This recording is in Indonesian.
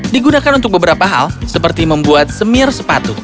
digunakan untuk beberapa hal seperti membuat semir sepatu